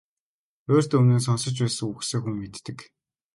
Урьд өмнө нь сонсож байсан үгсээ хүн мэддэг.